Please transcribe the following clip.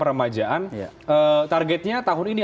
permajaan targetnya tahun ini